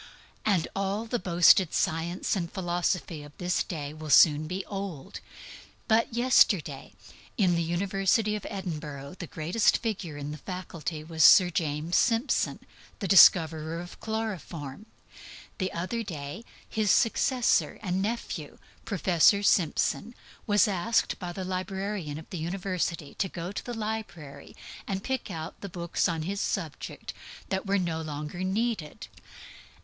And all the boasted science and philosophy of this day will soon be old. In my time, in the university of Edinburgh, the greatest figure in the faculty was Sir James Simpson, the discoverer of chloroform. Recently his successor and nephew, Professor Simpson, was asked by the librarian of the University to go to the library and pick out the books on his subject (midwifery) that were no longer needed.